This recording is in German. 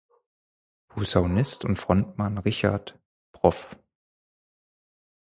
Posaunist und Frontmann Richard „Prof.